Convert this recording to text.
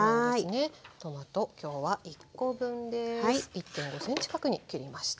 １．５ｃｍ角に切りました。